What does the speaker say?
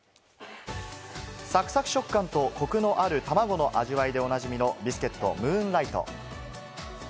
サクサク食感とこくのある、たまごの味わいでおなじみのビスケット・ムーンライト。